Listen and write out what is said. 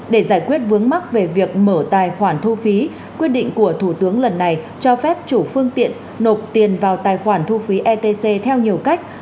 để giải quyết vướng mắc về việc mở tài khoản thu phí quyết định của thủ tướng lần này cho phép chủ phương tiện nộp tiền vào tài khoản thu phí etc theo nhiều cách